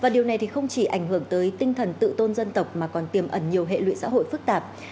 điều này không chỉ ảnh hưởng tới tinh thần tự tôn dân tộc mà còn tiềm ẩn nhiều hệ lụy xã hội phức tạp